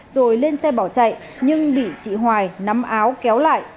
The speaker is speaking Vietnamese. rồi lên xe bỏ chạy nhưng bị chị hoài nắm áo kéo lại